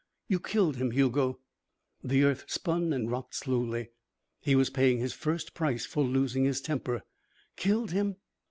"You killed him, Hugo." The earth spun and rocked slowly. He was paying his first price for losing his temper. "Killed him?"